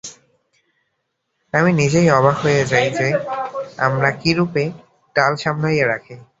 আমি নিজেই অবাক হইয়া যাই যে, আমরা কিরূপে টাল সামলাইয়া রাখি।